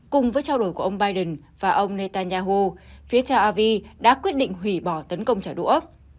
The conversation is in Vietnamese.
cùng với trao đổi của ông biden và ông netanyahu phía theo avi đã quyết định hủy bỏ tấn công trả đũa